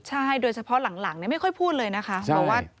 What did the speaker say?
ใช่โดยเฉพาะหลังเนี่ยไม่ค่อยพูดเลยนะคะ